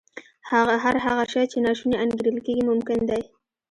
هر هغه شی چې ناشونی انګېرل کېږي ممکن دی